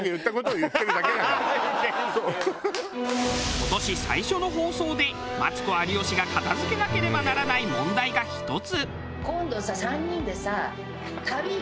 今年最初の放送でマツコ有吉が片付けなければならない問題が１つ。